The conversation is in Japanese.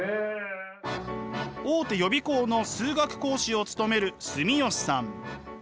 大手予備校の数学講師を務める住吉さん。